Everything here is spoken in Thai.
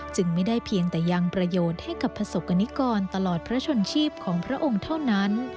จึงไม่ได้เพียงแต่ยังประโยชน์ให้กับประสบกรณิกรตลอดพระชนชีพของพระองค์เท่านั้น